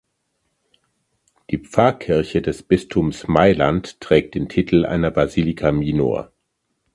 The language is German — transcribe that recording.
Die Pfarrkirche des Bistums Mailand trägt den Titel einer Basilica minor.